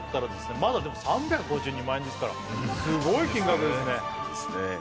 まだでも３５２万円ですからすごい金額ですね